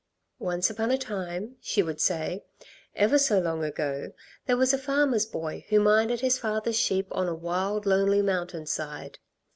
"Once upon a time," she would say, "ever so long ago, there was a farmer's boy who minded his father's sheep on a wild, lonely mountain side.